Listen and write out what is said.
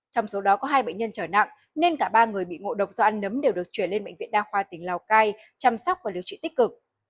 trong số đó có hai bệnh nhân trở nặng nên cả ba người bị ngộ độc do ăn nấm đều được chuyển lên bệnh viện đa khoa tỉnh lào cai chăm sóc và điều trị tích cực